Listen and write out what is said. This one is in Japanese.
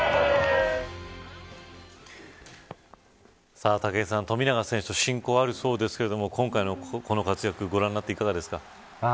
さあ武井さん富永選手と親交があるそうですが今回の活躍ご覧になっていかがですか。